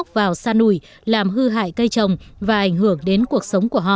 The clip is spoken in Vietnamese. công ty vật tư nông nghiệp tây nguyên đã đưa máy móc vào sa nùi làm hư hại cây trồng và ảnh hưởng đến cuộc sống của họ